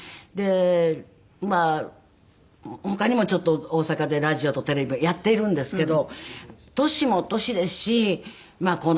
でまあ他にもちょっと大阪でラジオとテレビはやっているんですけど年も年ですしまあ